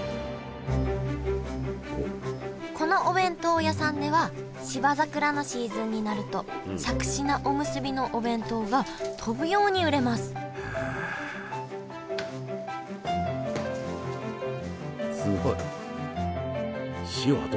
このお弁当屋さんでは芝桜のシーズンになるとしゃくし菜おむすびのお弁当が飛ぶように売れますへえ！